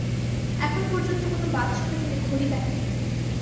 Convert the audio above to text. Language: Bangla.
এখন পর্যন্ত কোনো বাথরুমে তিনি ঘড়ি দেখেন নি।